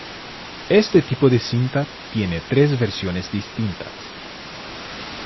Este tipo de cinta tiene tres versiones distintas.